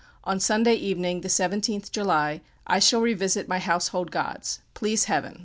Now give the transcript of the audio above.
On Sunday evening, the 17th July, I shall revisit my household gods, please heaven.